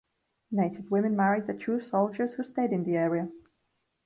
Native women married the Chu soldiers, who stayed in the area.